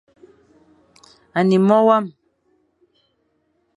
A ne é Mone wam.